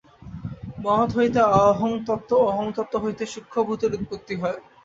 মহৎ হইতে অহংতত্ত্ব ও অহংতত্ত্ব হইতে সূক্ষ্মভূতের উৎপত্তি হয়।